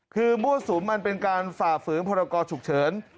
คือมั่วสุมมันเป็นการฝ่าฝืนพรกรฉุกเฉิน